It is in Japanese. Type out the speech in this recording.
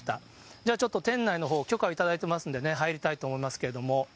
じゃあ、ちょっと店内のほう、許可を頂いてますんでね、入りたいと思いますけれども。